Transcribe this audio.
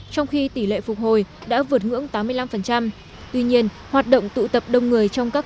trong khi tỷ lệ phục hồi đã vượt ngưỡng tám mươi năm tuy nhiên hoạt động tụ tập đông người trong các